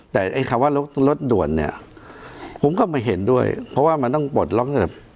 แต่ไอ้คำว่ารถรถด่วนเนี่ยผมก็ไม่เห็นด้วยเพราะว่ามันต้องปลดล็อกแบบ